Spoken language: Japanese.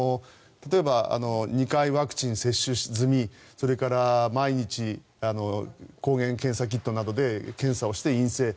例えば、２回ワクチン接種済みそれから毎日抗原検査キットなどで検査をして陰性。